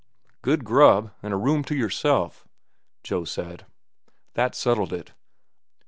"Good grub an' a room to yourself," Joe said. That settled it.